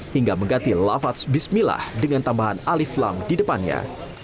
hingga mengganti lafaz bismillah dengan tambahan alif lam di depannya